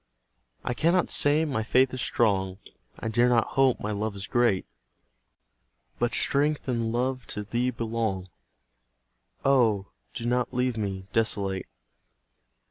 I cannot say my faith is strong, I dare not hope my love is great; But strength and love to Thee belong; Oh, do not leave me desolate!